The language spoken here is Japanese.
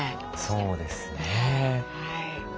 そうですね。